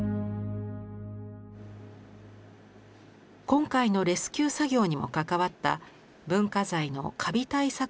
今回のレスキュー作業にも関わった文化財のカビ対策